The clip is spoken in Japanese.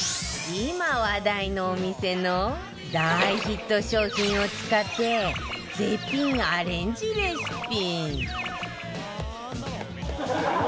今話題のお店の大ヒット商品を使って絶品アレンジレシピ